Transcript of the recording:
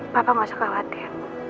papa gak usah khawatir